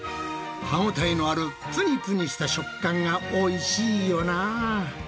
歯応えのあるぷにぷにした食感がおいしいよな。